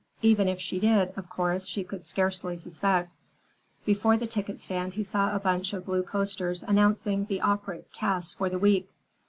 Even if she did, of course, she could scarcely suspect. Before the ticket stand he saw a bunch of blue posters announcing the opera casts for the week.